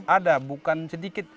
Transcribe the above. ada bukan sedikit